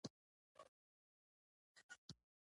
د سرمایې پر ګټه مالیه د عوایدو له مالیې لوړه ده.